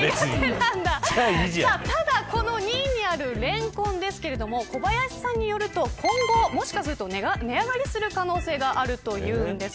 ただ、この２位にあるレンコンですが小林さんによると、今後もしかすると値上がりする可能性があるというんです。